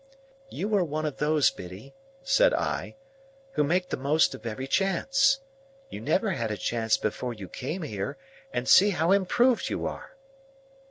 "You are one of those, Biddy," said I, "who make the most of every chance. You never had a chance before you came here, and see how improved you are!"